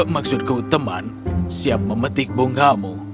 maksudku teman siap memetik bungamu